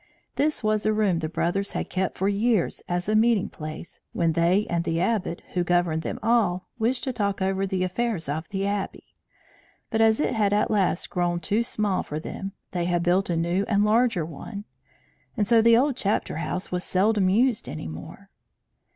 This was a room the brothers had kept for years as a meeting place, when they and the Abbot, who governed them all, wished to talk over the affairs of the Abbey; but as it had at last grown too small for them, they had built a new and larger one; and so the old chapter house was seldom used any more.